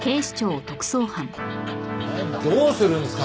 どうするんですか？